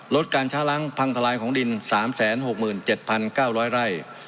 ลดการช้าล้างพังทลายของดิน๓๖๗๙๐๐ไร่